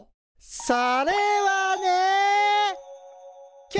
それはね。